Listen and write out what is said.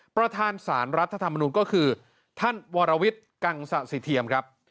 ประธานสารรัฐธรรมนุนก็คือท่านวรวิทย์กังสะสิเทียมครับ